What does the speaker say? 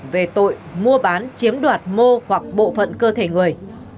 về tội mua bán chiếm đoạt mô hoặc bộ phận cơ thể người